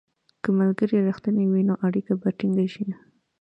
که ملګري رښتیني وي، نو اړیکه به ټینګه شي.